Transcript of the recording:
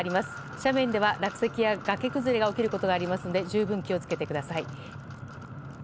斜面では落石や崖崩れが起きることがありますので十分気をつけてください。